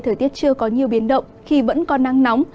thời tiết chưa có nhiều biến động khi vẫn có nắng nóng